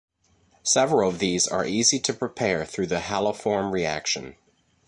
Several of these are easy to prepare through the haloform reaction.